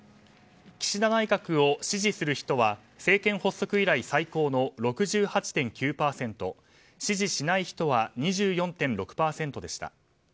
岸田内閣を支持する人は政権発足以来最高の６８．９％支持しない人は２４．６％でした。